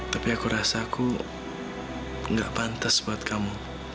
tapi aku rasa aku nggak pantas buat kamu